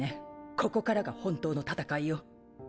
ここからが本当の戦いよ。